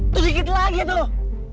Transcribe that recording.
sedikit lagi tuh